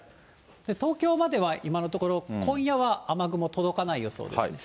東京までは今のところ今夜は雨雲届かない予想ですね。